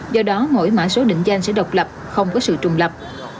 do đó mỗi mã số định danh sẽ độc lập không có sự trùng lập